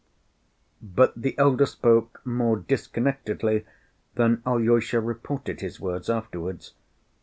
But the elder spoke more disconnectedly than Alyosha reported his words afterwards.